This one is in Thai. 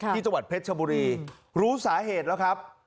ที่จังหวัดเพชรชบุรีรู้สาเหตุแล้วครับ